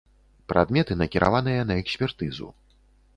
Прадметы накіраваныя на экспертызу.